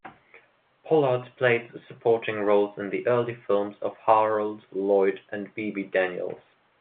Pollard played supporting roles in the early films of Harold Lloyd and Bebe Daniels.